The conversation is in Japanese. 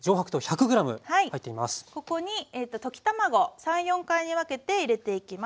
ここに溶き卵３４回に分けて入れていきます。